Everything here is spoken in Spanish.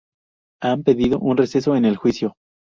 Han pedido un receso en el juicio